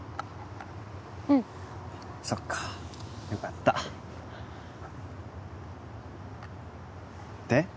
うんそっかよかったで？